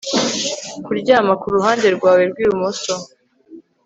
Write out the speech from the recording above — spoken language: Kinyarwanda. kuryama kuruhande rwawe rw'ibumoso